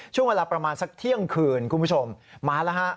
ช่วงเวลาประมาณสักเที่ยงคืนคุณผู้ชมมาแล้วฮะ